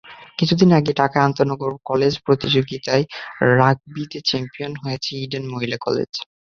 কিছুদিন আগেই ঢাকা আন্তমহানগর কলেজ প্রতিযোগিতায় রাগবিতে চ্যাম্পিয়ন হয়েছে ইডেন মহিলা কলেজ।